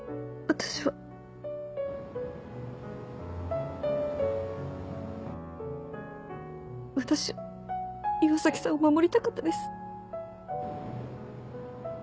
私は岩崎さんを守りたかったです。